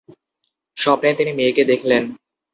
স্বপ্নে তিনি মেয়েকে দেখলেন।